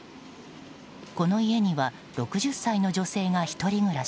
この家には６０歳の女性が１人暮らし。